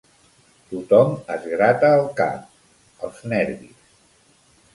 Tothom es grata el cap. Els nervis.